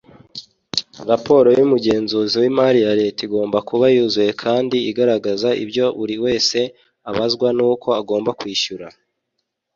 Raporo y’ umugenzuzi w’ imari ya Leta igomba kuba yuzuye kandi igaragaza ibyo buri wese abazwa nuko agomba kwishyura.